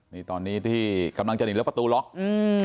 นี่ตอนนี้ที่กำลังจะหนีแล้วประตูล็อกอืม